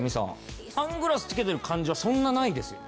サングラスつけてる感じはそんなないですよね？